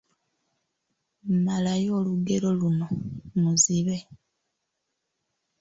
Malayo olugero luno: Muzibe, ……